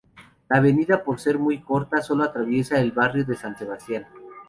La avenida por ser muy corta, sólo atraviesa el Barrio San Sebastián.